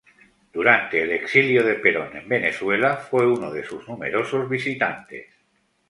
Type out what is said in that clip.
Durante el exilio de Perón en Venezuela fue uno de sus numerosos visitantes.